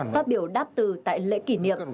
phát biểu đáp từ tại lễ kỷ niệm